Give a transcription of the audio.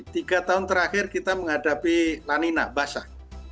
tiga tahun terakhir kita menghadapi lanina basah